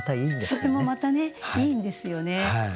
それもまたねいいんですよね。